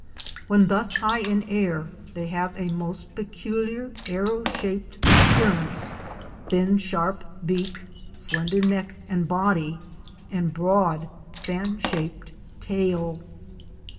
When thus high in air they have a most peculiar arrow shaped appearance; thin sharp beak, slender neck and body, and broad, fan shaped tail.